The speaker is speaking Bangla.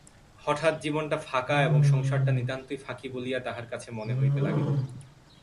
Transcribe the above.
হঠাৎ জীবনটা ফাঁকা এবং সংসারটা নিতান্তই ফাঁকি বলিয়া তাহার কাছে মনে হইতে লাগিল।